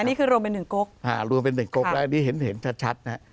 อันนี้คือรวมเป็นหนึ่งกกอ่ารวมเป็นหนึ่งกกแล้วอันนี้เห็นเห็นชัดชัดนะฮะ